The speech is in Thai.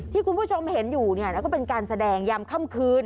ที่คุณผู้ชมเห็นอยู่แล้วก็เป็นการแสดงยามค่ำคืน